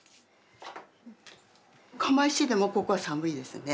釜石でもここは寒いですね。